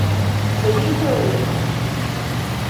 Tabii ki öyledir.